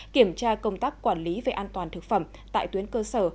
kiểm tra công tác quản lý về an toàn thực phẩm tại tuyến cơ sở